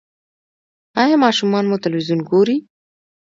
ایا ماشومان مو تلویزیون ګوري؟